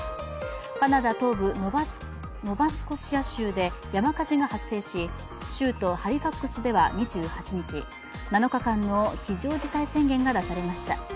カナダ東部ノバスコシア州で山火事が発生し州都ハリファクスでは２８日、７日間の非常事態宣言が出されました。